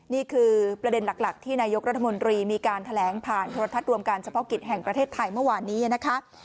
นี่คือประเด็นหลักที่นายกรัฐมนตรีมีการแถลงผ่านโทรทัศน์รวมการเฉพาะกิจแห่งประเทศไทยเมื่อวานนี้นะคะ